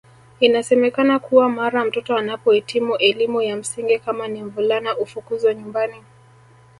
Inasemekana kuwa mara mtoto anapoitimu elimu ya msingi kama ni mvulana ufukuzwa nyumbani